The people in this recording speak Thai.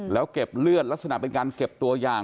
แล้วเก็บเลือดลักษณะเป็นการเก็บตัวอย่าง